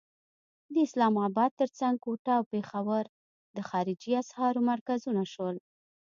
د اسلام اباد تر څنګ کوټه او پېښور د خارجي اسعارو مرکزونه شول.